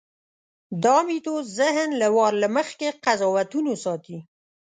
دا میتود ذهن له وار له مخکې قضاوتونو ساتي.